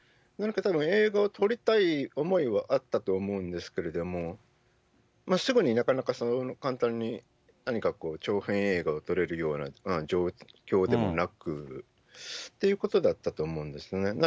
たぶん、映画を撮りたい思いはあったと思うんですけれども、すぐになかなかそう簡単に何か長編映画を撮れるような状況でもなくっていうことだったと思うんですね。